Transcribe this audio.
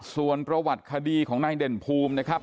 ส่วนประวัติคดีของนายเด่นภูมินะครับ